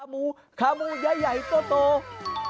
หมูขาหมูใหญ่โต